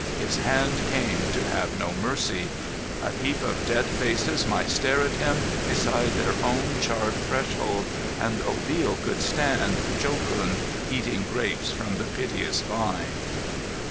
His hand came to have no mercy. A heap of dead faces might stare at him beside their own charred threshold, and Obil could stand, jocund, eating grapes from the piteous vine.